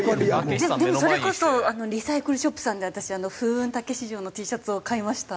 でもそれこそリサイクルショップさんで私『風雲！たけし城』のＴシャツを買いました。